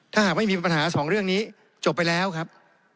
ถ้าหากไม่มีปัญหาสองเรื่องนี้จบไปแล้วครับ